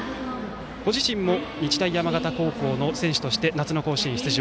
ご自身も日大山形高校の選手として夏の甲子園出場。